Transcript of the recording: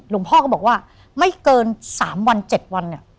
หลวงพ่อก็บอกว่าไม่เกิน๓วัน๗วันเนี่ย